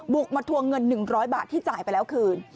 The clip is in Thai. มาทวงเงิน๑๐๐บาทที่จ่ายไปแล้วคืน